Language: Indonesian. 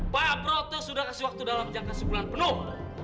pak proto sudah kasih waktu dalam jangka sebulan penuh